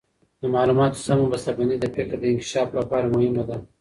د معلوماتو سمه بسته بندي د فکر د انکشاف لپاره مهمه ده.